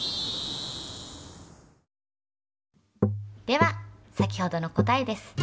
では先ほどの答えです。